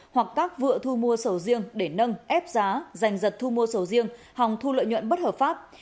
hoặc các vựa thu mua sầu riêng để nâng ép giá dành giật thu mua sầu riêng hòng thu lợi nhuận bất hợp pháp